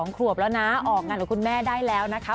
๒ขวบแล้วนะออกงานกับคุณแม่ได้แล้วนะคะ